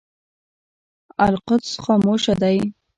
القدس خاموشه دی.